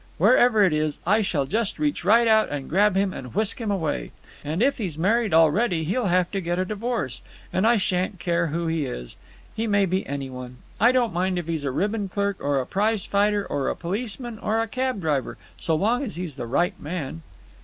Wherever it is, I shall just reach right out and grab him and whisk him away. And if he's married already, he'll have to get a divorce. And I shan't care who he is. He may be any one. I don't mind if he's a ribbon clerk or a prize fighter or a policeman or a cab driver, so long as he's the right man."